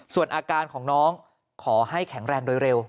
ส่วนอาการของน้องขอให้แข็งแรงโดยเร็ว